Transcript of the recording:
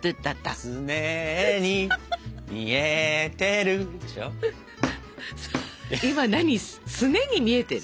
すねに見えてる？